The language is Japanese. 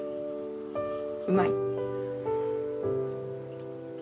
うまい？